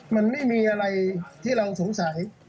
มันไม่มีอะไรที่เราสงสัย